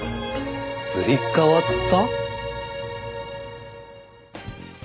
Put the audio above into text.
すり替わった？